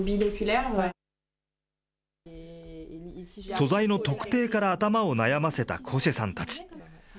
素材の特定から頭を悩ませたコシェさんたち。